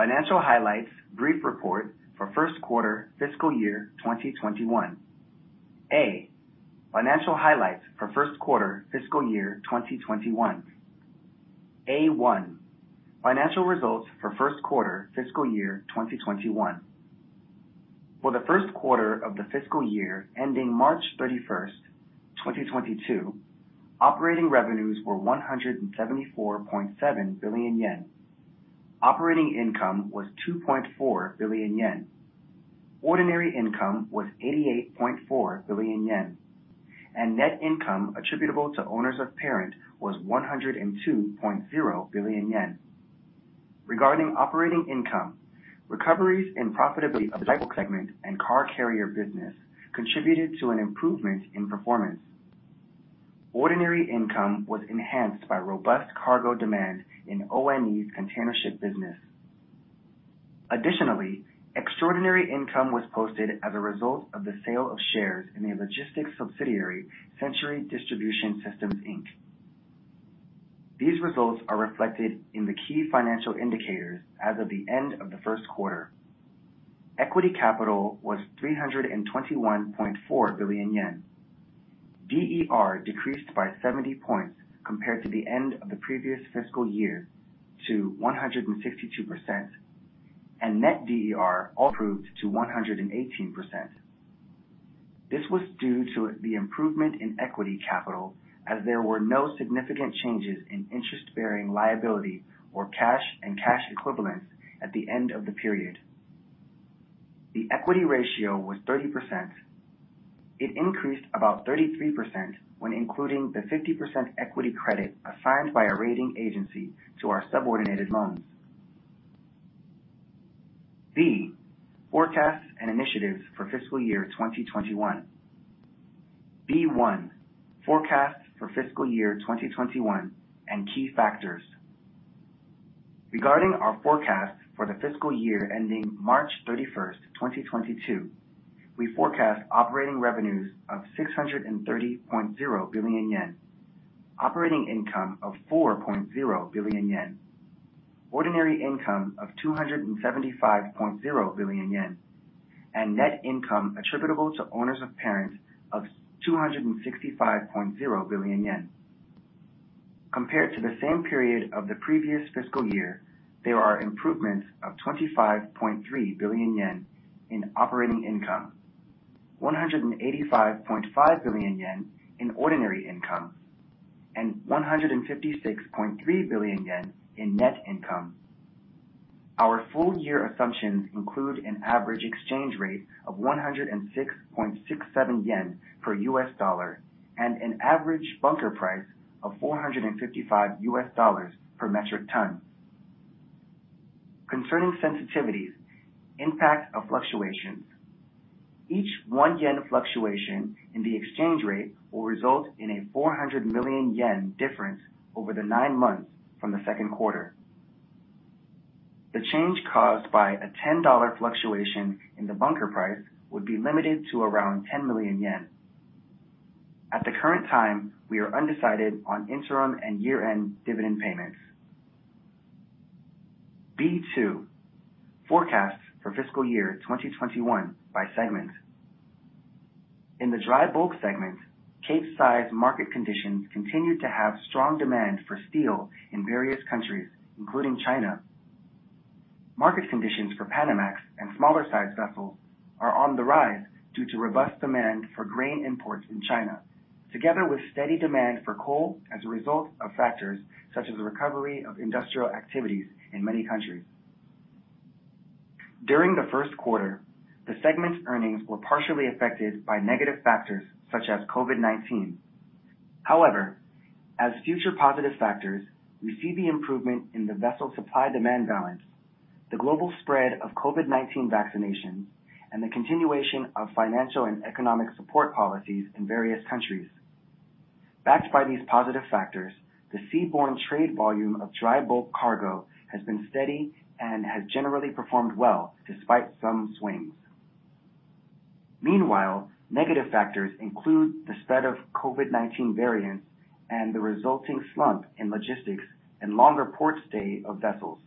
Financial highlights brief report for first quarter fiscal year 2021. A, financial highlights for first quarter fiscal year 2021. A.1, financial results for first quarter fiscal year 2021. For the first quarter of the fiscal year ending March 31st, 2022, operating revenues were 174.7 billion yen. Operating income was 2.4 billion yen. Ordinary income was 88.4 billion yen, net income attributable to owners of parent was 102.0 billion yen. Regarding operating income, recoveries in profitability of the segment and car carrier business contributed to an improvement in performance. Ordinary income was enhanced by robust cargo demand in ONE's containership business. Additionally, extraordinary income was posted as a result of the sale of shares in the logistics subsidiary, Century Distribution Systems, Inc. These results are reflected in the key financial indicators as of the end of the first quarter. Equity capital was 321.4 billion yen. D/E ratio decreased by 70 points compared to the end of the previous fiscal year to 162%, and net D/E ratio improved to 118%. This was due to the improvement in equity capital, as there were no significant changes in interest-bearing liability or cash and cash equivalents at the end of the period. The equity ratio was 30%. It increased about 33% when including the 50% equity credit assigned by a rating agency to our subordinated loans. B, forecasts and initiatives for fiscal year 2021. B.1, forecasts for fiscal year 2021 and key factors. Regarding our forecasts for the fiscal year ending March 31st, 2022, we forecast operating revenues of 630.0 billion yen, operating income of 4.0 billion yen, ordinary income of 275.0 billion yen, and net income attributable to owners of parent of 265.0 billion yen. Compared to the same period of the previous fiscal year, there are improvements of 25.3 billion yen in operating income, 185.5 billion yen in ordinary income, and 156.3 billion yen in net income. Our full year assumptions include an average exchange rate of 106.67 yen per USD, and an average bunker price of $455 per metric ton. Concerning sensitivities, impact of fluctuations. Each 1 yen fluctuation in the exchange rate will result in a 400 million yen difference over the nine months from the second quarter. The change caused by a $10 fluctuation in the bunker price would be limited to around 10 million yen. At the current time, we are undecided on interim and year-end dividend payments. B.2, forecasts for fiscal year 2021 by segment. In the Dry Bulk segment, Capesize market conditions continued to have strong demand for steel in various countries, including China. Market conditions for Panamax and smaller size vessels are on the rise due to robust demand for grain imports in China, together with steady demand for coal as a result of factors such as the recovery of industrial activities in many countries. During the first quarter, the segment earnings were partially affected by negative factors such as COVID-19. As future positive factors, we see the improvement in the vessel supply-demand balance, the global spread of COVID-19 vaccinations, and the continuation of financial and economic support policies in various countries. Backed by these positive factors, the seaborne trade volume of dry bulk cargo has been steady and has generally performed well, despite some swings. Negative factors include the spread of COVID-19 variants and the resulting slump in logistics and longer port stay of vessels.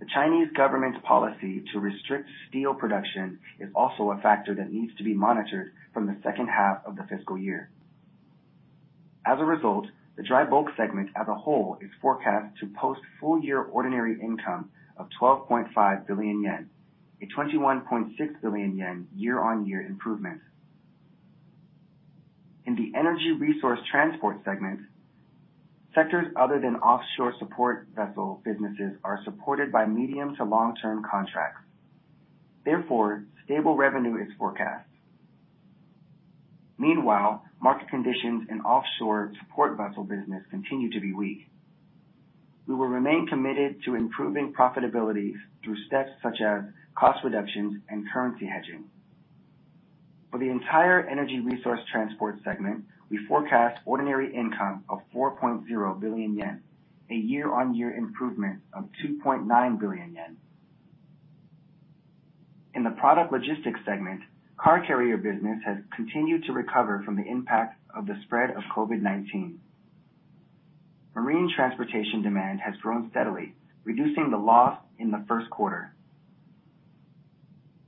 The Chinese government's policy to restrict steel production is also a factor that needs to be monitored from the second half of the fiscal year. As a result, the Dry Bulk segment as a whole is forecast to post full year ordinary income of 12.5 billion yen, a 21.6 billion yen year-on-year improvement. In the Energy Resource Transport segment, sectors other than offshore support vessel businesses are supported by medium to long-term contracts. Therefore, stable revenue is forecast. Meanwhile, market conditions in offshore support vessel business continue to be weak. We will remain committed to improving profitability through steps such as cost reductions and currency hedging. For the entire Energy Resource Transport segment, we forecast ordinary income of 4.0 billion yen, a year-on-year improvement of 2.9 billion yen. In the Product Logistics segment, car carrier business has continued to recover from the impact of the spread of COVID-19. Marine transportation demand has grown steadily, reducing the loss in the first quarter.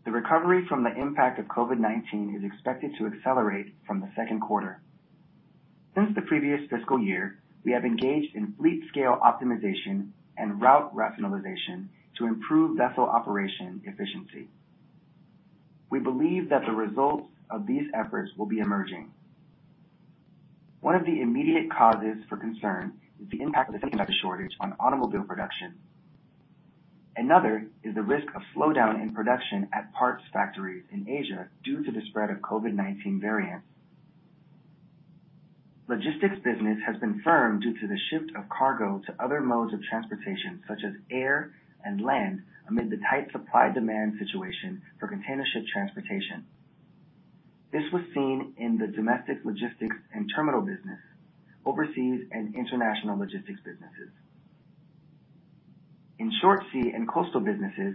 The recovery from the impact of COVID-19 is expected to accelerate from the second quarter. Since the previous fiscal year, we have engaged in fleet scale optimization and route rationalization to improve vessel operation efficiency. We believe that the results of these efforts will be emerging. One of the immediate causes for concern is the impact of the semiconductor shortage on automobile production. Another is the risk of slowdown in production at parts factories in Asia due to the spread of COVID-19 variants. Logistics business has been firm due to the shift of cargo to other modes of transportation, such as air and land, amid the tight supply-demand situation for containership transportation. This was seen in the domestic logistics and terminal business, overseas, and international logistics businesses. In short sea and coastal businesses,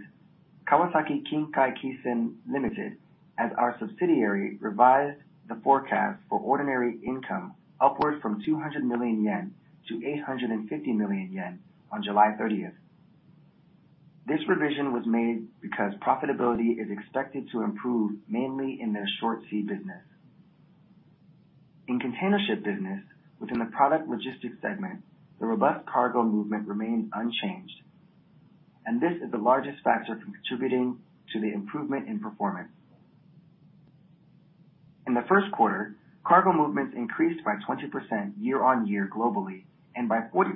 Kawasaki Kinkai Kisen Kaisha, Ltd., as our subsidiary, revised the forecast for ordinary income upward from 200 million-850 million yen on July 30th. This revision was made because profitability is expected to improve mainly in their short sea business. In containership business, within the Product Logistics segment, the robust cargo movement remains unchanged, and this is the largest factor contributing to the improvement in performance. In the first quarter, cargo movements increased by 20% year-on-year globally, and by 40%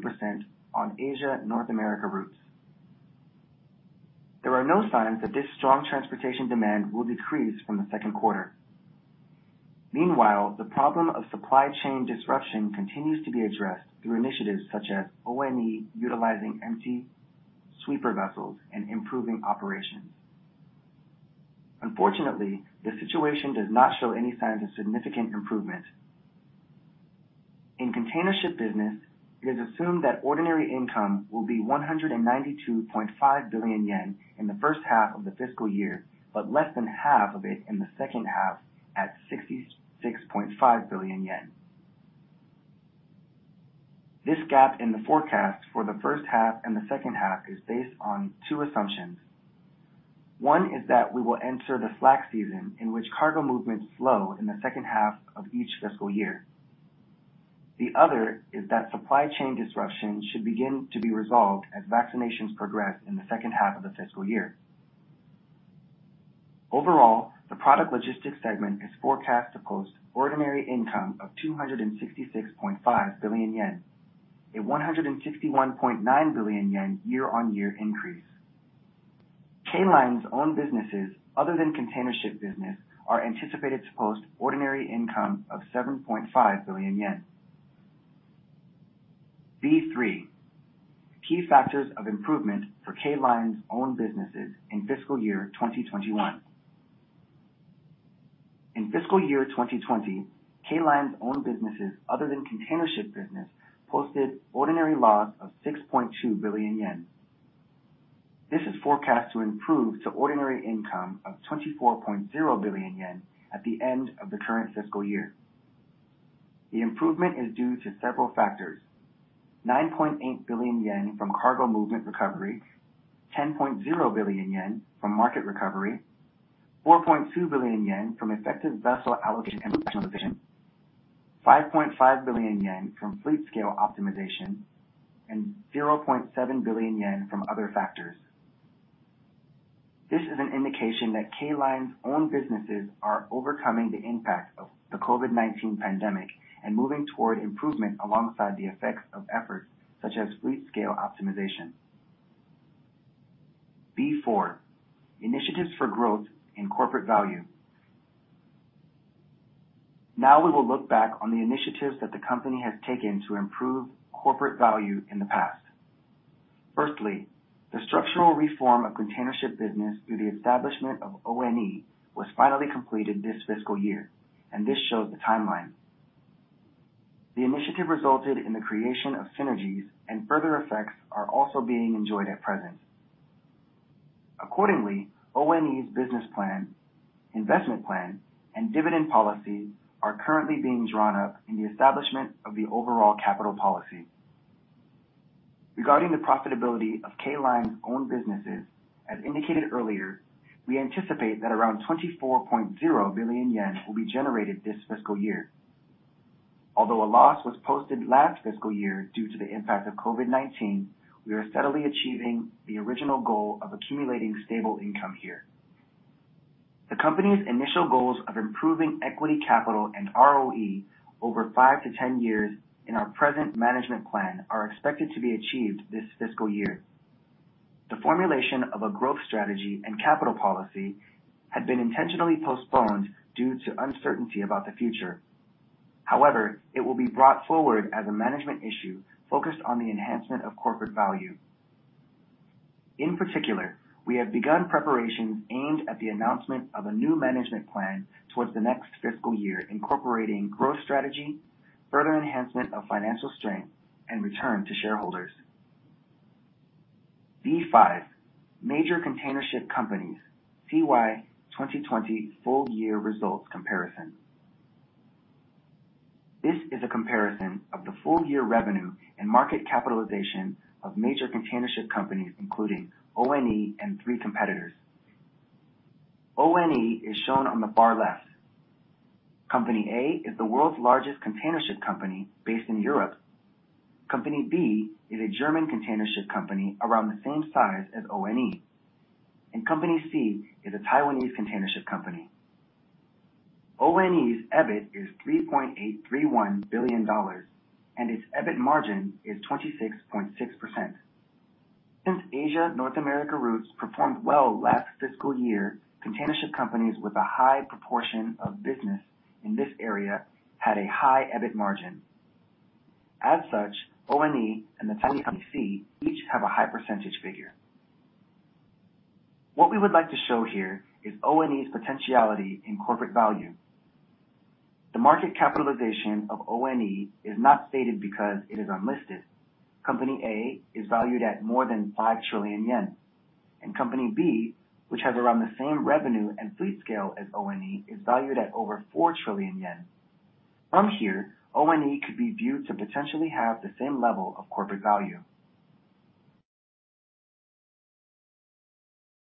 on Asia-North America routes. There are no signs that this strong transportation demand will decrease from the second quarter. Meanwhile, the problem of supply chain disruption continues to be addressed through initiatives such as ONE utilizing extra sweeper vessels and improving operations. Unfortunately, the situation does not show any signs of significant improvement. In containership business, it is assumed that ordinary income will be 192.5 billion yen in the first half of the fiscal year, but less than half of it in the second half, at 66.5 billion yen. This gap in the forecast for the first half and the second half is based on two assumptions. One is that we will enter the slack season in which cargo movements slow in the second half of each fiscal year. The other is that supply chain disruption should begin to be resolved as vaccinations progress in the second half of the fiscal year. Overall, the Product Logistics segment is forecast to post ordinary income of 266.5 billion yen, a 161.9 billion yen year-on-year increase. K Line's own businesses, other than containership business, are anticipated to post ordinary income of 7.5 billion yen. B3, key factors of improvement for K Line's own businesses in fiscal year 2021. In fiscal year 2020, K Line's own businesses, other than containership business, posted ordinary loss of 6.2 billion yen. This is forecast to improve to ordinary income of 24.0 billion yen at the end of the current fiscal year. The improvement is due to several factors. 9.8 billion yen from cargo movement recovery, 10.0 billion yen from market recovery, 4.2 billion yen from effective vessel allocation and rationalization, 5.5 billion yen from fleet scale optimization, and 0.7 billion yen from other factors. This is an indication that K Line's own businesses are overcoming the impact of the COVID-19 pandemic and moving toward improvement alongside the effects of efforts such as fleet scale optimization. B4, initiatives for growth in corporate value. Now we will look back on the initiatives that the company has taken to improve corporate value in the past. Firstly, the structural reform of containership business through the establishment of ONE was finally completed this fiscal year, and this shows the timeline. The initiative resulted in the creation of synergies, and further effects are also being enjoyed at present. Accordingly, ONE's business plan, investment plan, and dividend policy are currently being drawn up in the establishment of the overall capital policy. Regarding the profitability of K Line's own businesses, as indicated earlier, we anticipate that around 24.0 billion yen will be generated this fiscal year. Although a loss was posted last fiscal year due to the impact of COVID-19, we are steadily achieving the original goal of accumulating stable income here. The company's initial goals of improving equity capital and ROE over 5 to 10 years in our present management plan are expected to be achieved this fiscal year. The formulation of a growth strategy and capital policy had been intentionally postponed due to uncertainty about the future. It will be brought forward as a management issue focused on the enhancement of corporate value. In particular, we have begun preparations aimed at the announcement of a new management plan towards the next fiscal year, incorporating growth strategy, further enhancement of financial strength, and return to shareholders. B5, major containership companies, CY2020 full year results comparison. This is a comparison of the full-year revenue and market capitalization of major containership companies, including ONE and three competitors. ONE is shown on the bar left. Company A is the world's largest containership company based in Europe. Company B is a German containership company around the same size as ONE. Company C is a Taiwanese containership company. ONE's EBIT is JPY 3.831 billion, and its EBIT margin is 26.6%. Since Asia-North America routes performed well last fiscal year, containership companies with a high proportion of business in this area had a high EBIT margin. As such, ONE and the Taiwanese Company C each have a high percentage figure. What we would like to show here is ONE's potentiality in corporate value. The market capitalization of ONE is not stated because it is unlisted. Company A is valued at more than 5 trillion yen, and Company B, which has around the same revenue and fleet scale as ONE, is valued at over 4 trillion yen. From here, ONE could be viewed to potentially have the same level of corporate value.